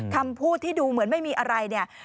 คำพูดที่ดูเหมือนไม่มีอะไรเนี่ย